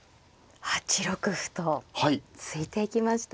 ８六歩と突いていきました。